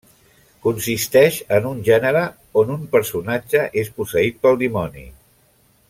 Consisteix en un gènere on un personatge és posseït pel dimoni.